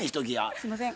すんません。